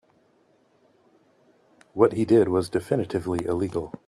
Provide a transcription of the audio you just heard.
What he did was definitively illegal.